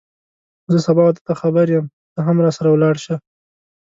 زه سبا واده ته خبر یم ته هم راسره ولاړ شه